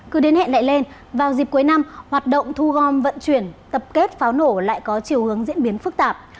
cứ đến hẹn lại lên vào dịp cuối năm hoạt động thu gom vận chuyển tập kết pháo nổ lại có chiều hướng diễn biến phức tạp